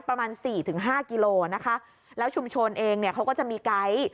ประมาณ๔๕กิโลกรัมแล้วชุมชนเองเขาก็จะมีไกท์